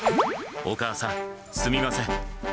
お母さん、すみません。